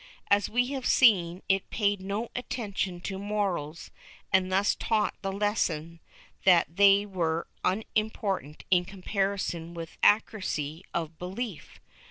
As we have seen, it paid no attention to morals and thus taught the lesson that they were unimportant in comparison with accuracy of belief.